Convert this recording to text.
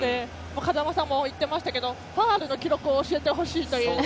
風間さんも言っていましたがファウルの記録を教えてほしいというね。